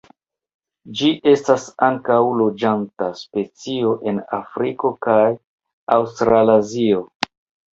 Ĝi estas ankaŭ loĝanta specio en Afriko kaj Aŭstralazio.